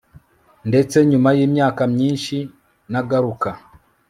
Ndetse nyuma yimyaka myinshi nagaruka